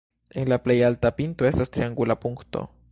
En la plej alta pinto estas triangula punkto.